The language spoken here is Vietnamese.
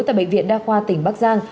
tại bệnh viện đa khoa tỉnh bắc giang